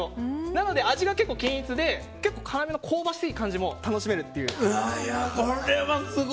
なので味が均一でカラメルの香ばしい感じも楽しめるっていう。